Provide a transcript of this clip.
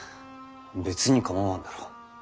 別に構わんだろう。